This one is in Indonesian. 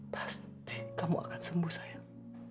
pasti kamu akan sembuh sayang